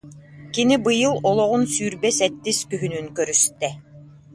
Кини быйыл олоҕун сүүрбэ сэттис күһүнүн көрүстэ